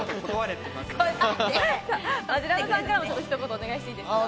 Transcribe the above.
マヂラブさんからも一言お願いしていいですか？